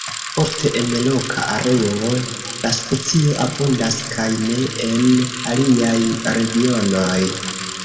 Ofte en loka areo la specio abundas, kaj ne en aliaj regionoj.